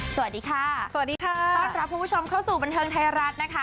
สวัสดีค่ะสวัสดีค่ะต้อนรับคุณผู้ชมเข้าสู่บันเทิงไทยรัฐนะคะ